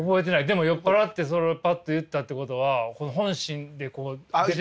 でも酔っ払ってそれをパッと言ったってことは本心でこう出てしまった。